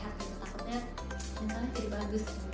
karena takutnya mentalnya jadi bagus